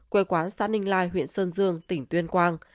quê quán xã ninh lai huyện sơn dương tỉnh tuyên quang